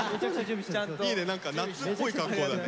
いいね何か夏っぽい格好だね。